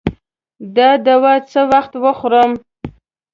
دا دوا څه وخت وخورم؟